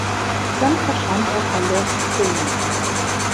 Dann verschwand er von der Szene.